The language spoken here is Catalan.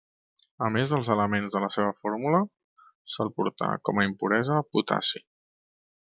A més dels elements de la seva fórmula, sol portar com a impuresa potassi.